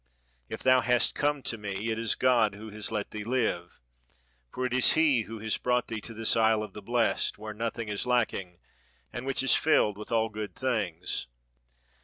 If thou hast come to me, it is God who has let thee live. For it is He who has brought thee to this isle of the blest, where nothing is lacking, and which is filled with all good things.